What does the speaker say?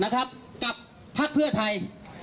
กับพักเพื่อไทย